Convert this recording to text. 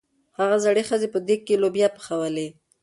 هغې زړې ښځې په دېګ کې لوبیا پخولې.